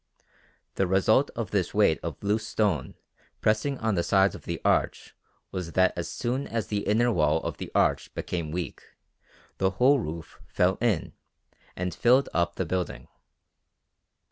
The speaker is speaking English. The result of this weight of loose stone pressing on the sides of the arch was that as soon as the inner wall of the arch became weak the whole roof fell in and filled up the building.